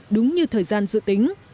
đúng như thời gian dự tính